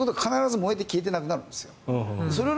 それということは必ず燃えて消えてなくなるんです。